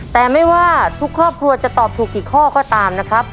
แต่ไม่ว่าทุกครอบครัวจะตอบถูกกี่ข้อก็ตามนะครับ